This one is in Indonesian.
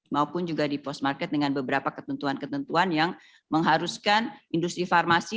maupun juga di post market dengan beberapa ketentuan ketentuan yang mengharuskan industri farmasi